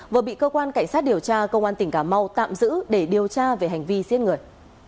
vừa bị cơ quan cảnh sát điều tra công an tỉnh cà mau tạm giữ để điều tra về hành vi giết người